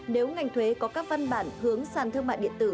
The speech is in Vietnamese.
nếu ngành thuế có các văn bản hướng sản thương mại điện tử